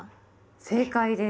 正解です。